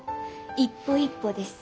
一歩一歩です。